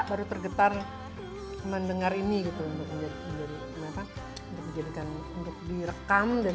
baru tergetar mendengar ini gitu untuk menjadi mereka untuk dijadikan untuk direkam dan